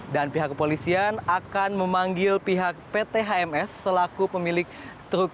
dan pihak kepolisian akan memanggil pihak pt hms selaku pemilik truk